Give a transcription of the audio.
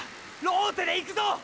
ローテでいくぞ。